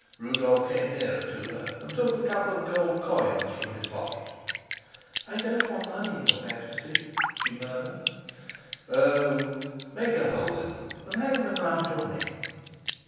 Rudolf came nearer to her, and took a couple of gold coins from his pocket. "I don't want money, your Majesty," she murmured. "Oh, make a hole in them and hang them round your neck."